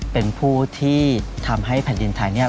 เป็นผู้ที่ทำให้แผ่นดินไทยเนี่ย